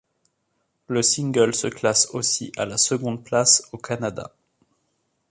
Le single se classe aussi à la seconde place au Canada.